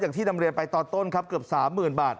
อย่างที่นำเรียนไปตอนต้นครับเกือบ๓๐๐๐บาท